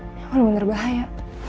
ini bener bener bahaya